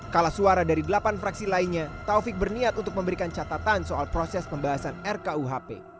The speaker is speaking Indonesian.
kalah suara dari delapan fraksi lainnya taufik berniat untuk memberikan catatan soal proses pembahasan rkuhp